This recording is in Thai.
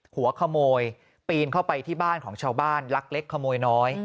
หัวขโมยปีนเข้าไปที่บ้านของชาวบ้านลักเล็กขโมยน้อย